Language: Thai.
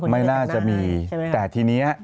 ไม่น่าจะมีแต่ทีนี้